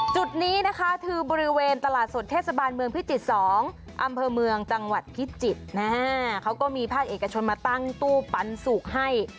จุดนี้นะคะคือบริเวณตลาดสดเทศบาลเมืองพิจิตร๒อำเภอเมืองจังหวัดพิจิตรนะฮะเขาก็มีภาคเอกชนมาตั้งตู้ปันสุกให้